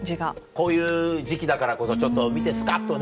こういう時期だからこそちょっと見てスカっとね。